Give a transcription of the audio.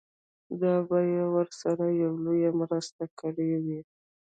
دا به يې ورسره يوه لويه مرسته کړې وي.